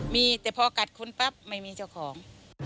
มีแต่พอกัดคนปั๊บไม่มีเจ้าของ